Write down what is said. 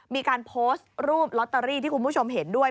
มีการโพสต์รูปลอตเตอรี่ที่คุณผู้ชมเห็นด้วย